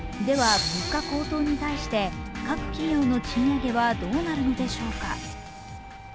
では物価高騰に対して各企業の賃上げはどうなるのでしょうか？